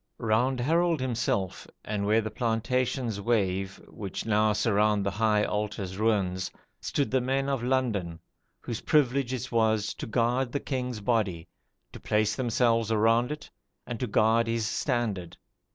Round Harold himself, and where the plantations wave which now surround the high altar's ruins, stood the men of London, "whose privilege it was to guard the king's body, to place themselves around it, and to guard his standard."